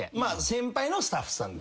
先輩のスタッフさん。